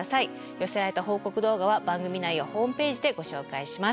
寄せられた報告動画は番組内やホームページでご紹介します。